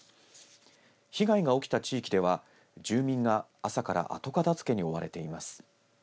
被害が起きた地域では住民が朝から後片づけに追われています。